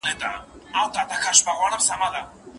آیا تازه هوا تر ککړي هوا ګټوره ده؟